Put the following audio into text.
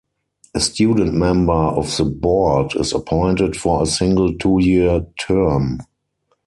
A student member of the Board is appointed for a single two-year term.